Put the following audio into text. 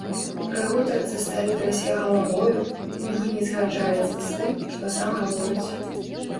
Пры гутарцы стары трасе галавою, нібы не згаджаецца з тым, што сам гаворыць.